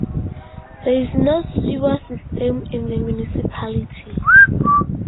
There is no sewer system in the municipality.